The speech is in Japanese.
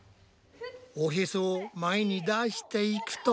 おヘソを前に出していくと。